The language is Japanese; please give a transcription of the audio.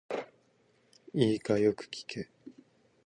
いいか、よく聞け。